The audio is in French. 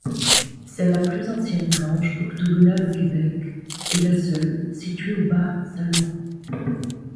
C'est la plus ancienne grange octogonale au Québec et la seule située au Bas-Saint-Laurent.